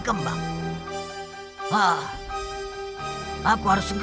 ke connectors vial yang ada